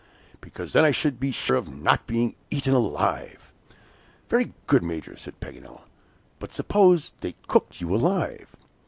"Because then I should be sure of not being eaten alive!" "Very good. Major," said Paganel; "but suppose they cooked you alive?"